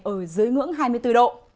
ở dưới ngưỡng hai mươi bốn độ